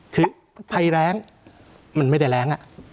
คือไพแร้งมันไม่ได้แร้งอ่ะ